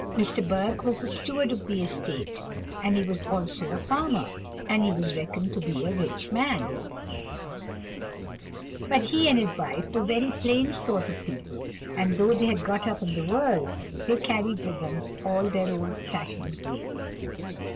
Mr. Burke was the steward of the estate, and he was also a farmer, and he was reckoned to be a rich man; but he and his wife were very plain sort of people, and though they had got up in the world, they carried with them all their old fashioned ways.